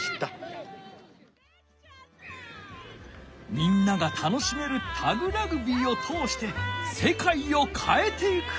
みんなが楽しめるタグラグビーを通して世界をかえていく。